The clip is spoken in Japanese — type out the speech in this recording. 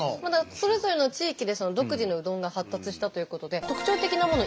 それぞれの地域で独自のうどんが発達したということで特徴的なもの